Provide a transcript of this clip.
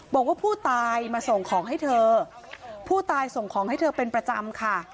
บอกว่าผู้ตายมาส่งของให้เธอผู้ตายส่งของให้เธอเป็นประจำค่ะ